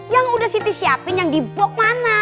yang udah siti siapin yang di box mana